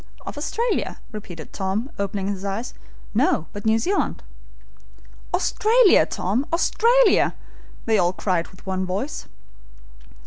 "Of Australia?" repeated Tom, opening his eyes. "No, but New Zealand." "Australia, Tom! Australia!" they all cried with one voice.